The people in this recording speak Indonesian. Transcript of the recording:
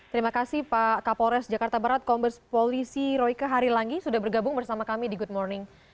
terima kasih pak kapolres jakarta barat kombes polisi royke harilangi sudah bergabung bersama kami di good morning